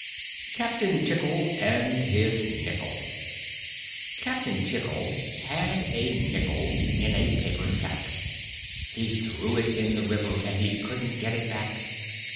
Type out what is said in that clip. CAPTAIN TICKLE AND HIS NICKEL Captain Tickle had a nickel In a paper sack, He threw it in the river And he couldn't get it back.